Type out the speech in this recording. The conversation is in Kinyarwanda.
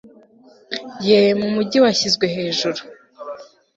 ye mu mugi washyizwe hejuru